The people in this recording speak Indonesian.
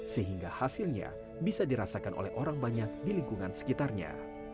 sehingga hasilnya bisa dirasakan oleh orang banyak di lingkungan sekitarnya